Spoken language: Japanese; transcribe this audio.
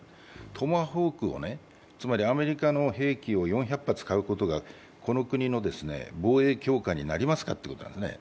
トマホークをね、つまりアメリカの兵器を４００発買うことがこの国の防衛強化になりますかってことなんですね。